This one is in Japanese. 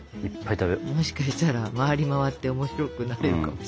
もしかしたら回り回って面白くなれるかもしれない。